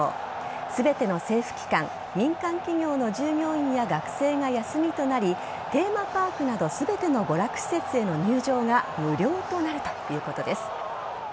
全ての政府機関民間企業の従業員や学生が休みとなりテーマパークなど全ての娯楽施設への入場が無料となるということです。